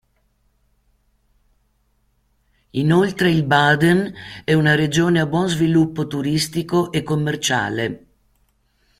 Inoltre il Baden è una regione a buon sviluppo turistico e commerciale.